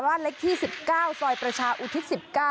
เล็กที่๑๙ซอยประชาอุทิศ๑๙